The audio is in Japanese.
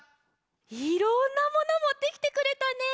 いろんなモノもってきてくれたね。